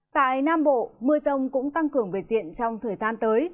tại nam bộ mưa rông cũng tăng cường về diện trong thời gian tới